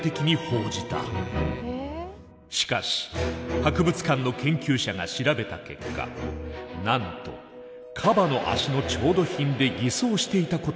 しかし博物館の研究者が調べた結果なんとカバの足の調度品で偽装していたことが分かった。